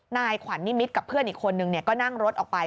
นายขวัญนิมิตรกับเพื่อนอีกคนนึงก็นั่งรถออกไป